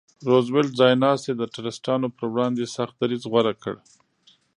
روزولټ ځایناستي د ټرستانو پر وړاندې سخت دریځ غوره کړ.